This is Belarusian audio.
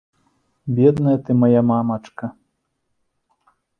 Бедная ты, мая мамачка!